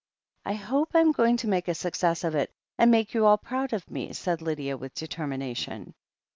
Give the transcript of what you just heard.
'T hope I'm going to make a success of it, and make you all proud of me," said Lydia with determination.